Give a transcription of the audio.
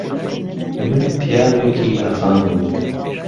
من پیاوێکی به فامم